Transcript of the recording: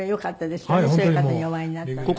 そういう方にお会いになったのは。